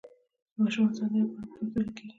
د ماشومانو سندرې په وړکتون کې ویل کیږي.